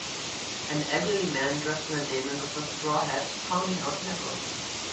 An elderly man dressed in denim with a straw hat, pounding out metal.